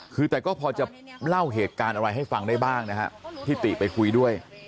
คือแต่ก็พอจะเล่าเหตุการณ์อะไรให้ฟังได้บ้างนะฮะที่ติไปคุยด้วย